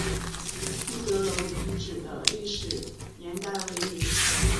一德楼遗址的历史年代为明。